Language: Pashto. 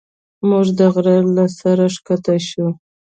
موږ د غره له سره ښکته شوو.